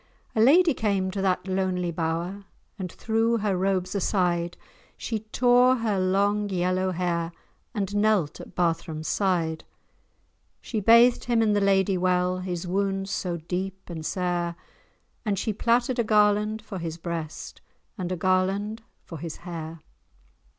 A lady came to that lonely bower, And threw her robes aside, She tore her long yellow hair, And knelt at Barthram's side. She bathed him in the Lady Well, His wounds so deep and sair, And she plaited a garland for his breast, And a garland for his hair.